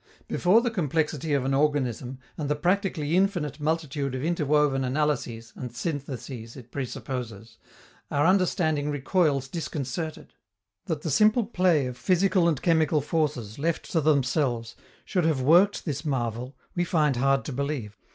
Before the complexity of an organism and the practically infinite multitude of interwoven analyses and syntheses it presupposes, our understanding recoils disconcerted. That the simple play of physical and chemical forces, left to themselves, should have worked this marvel, we find hard to believe.